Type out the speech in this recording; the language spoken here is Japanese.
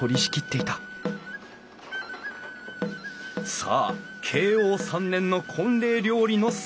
さあ慶応３年の婚礼料理の再現。